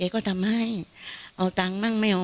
ก็ได้ใช่แล้ว